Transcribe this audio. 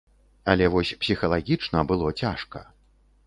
Але вось псіхалагічна было цяжка.